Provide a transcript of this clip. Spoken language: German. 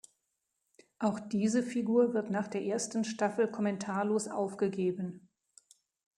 Auch diese Figur wird nach der ersten Staffel kommentarlos aufgegeben.